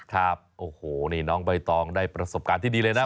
ครับโอ้โหนี่น้องใบตองได้ประสบการณ์ที่ดีเลยนะ